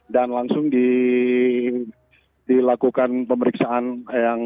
dan langsung dilakukan pemeriksaan yang kurang